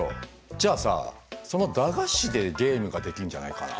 じゃあさその駄菓子でゲームができるんじゃないかな？